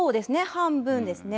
半分ですね。